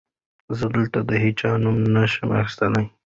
زه دلته د هېچا نوم نه شم اخيستی.